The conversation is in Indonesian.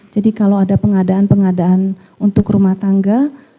jadi kalau ada pengadaan pengadaan untuk rumah tangga